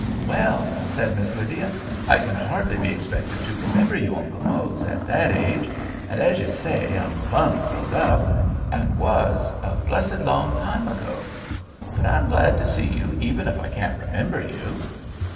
"Well," said Miss Lydia, "I can hardly be expected to remember you, Uncle Mose, at that age. And, as you say, I'm 'plum growed up,' and was a blessed long time ago. But I'm glad to see you, even if I can't remember you."